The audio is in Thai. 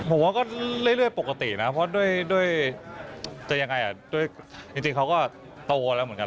ผมว่าก็เรื่อยปกตินะเพราะด้วยจะยังไงด้วยจริงเขาก็โตแล้วเหมือนกัน